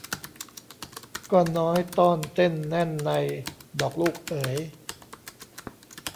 ก็น้อยต้อนเต้นแน่นในดอกลูกเอ๋ย